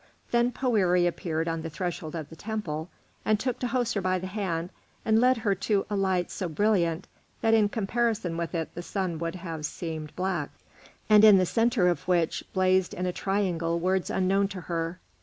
Then Poëri appeared on the threshold of the temple, and took Tahoser by the hand and led her to a light so brilliant that in comparison with it the sun would have seemed black, and in the centre of which blazed in a triangle words unknown to her.